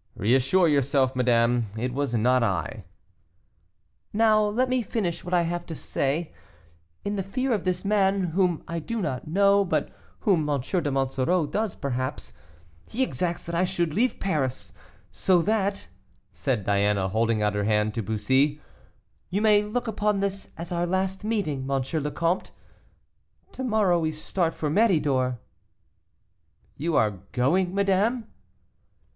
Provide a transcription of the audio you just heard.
'" "Reassure yourself, madame; it was not I." "Now, let me finish what I have to say. In the fear of this man whom I do not know, but whom M. de Monsoreau does perhaps he exacts that I should leave Paris, so that," said Diana, holding out her hand to Bussy, "you may look upon this as our last meeting, M. le Comte. To morrow we start for Méridor." "You are going, madame?"